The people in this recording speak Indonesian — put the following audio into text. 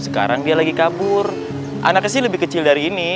ya kan nggak usah malu nggak usah gengsi